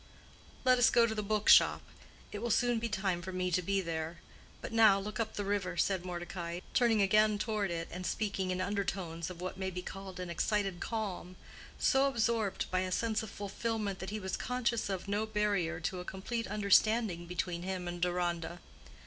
"Let us go to the book shop. It will soon be time for me to be there. But now look up the river," said Mordecai, turning again toward it and speaking in undertones of what may be called an excited calm—so absorbed by a sense of fulfillment that he was conscious of no barrier to a complete understanding between him and Deronda.